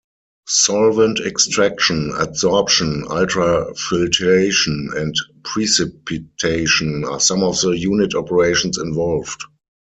Solvent extraction, adsorption, ultrafiltration, and precipitation are some of the unit operations involved.